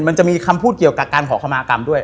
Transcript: มันจะมีคำพูดเกี่ยวกับการขอขมากรรมด้วย